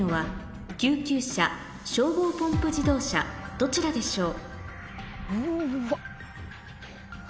どちらでしょう？